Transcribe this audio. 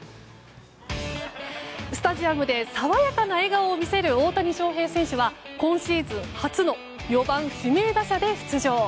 スタジアムで爽やかな笑顔を見せる大谷翔平選手は今シーズン初の４番指名打者で出場。